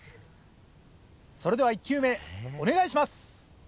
それでは１球目お願いします！